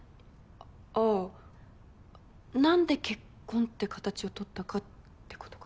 あっあぁ何で結婚って形を取ったかってことか。